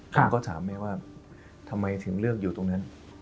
ผมก็ถามแม่ว่าทำไมถึงเลือกอยู่ตรงนั้น